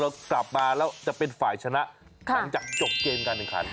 เรากลับมาแล้วจะเป็นฝ่ายชนะหลังจากจบเกมกันหนึ่งครั้ง